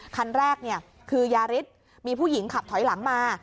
คันแรกคือยาริสมีผู้หญิงขับถอยหลังมา